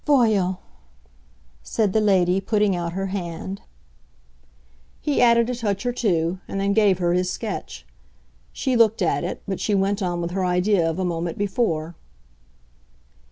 "Voyons," said the lady, putting out her hand. He added a touch or two, and then gave her his sketch. She looked at it, but she went on with her idea of a moment before.